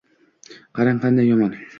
Qarang, qanday yomon!